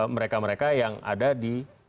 mereka mereka yang ada di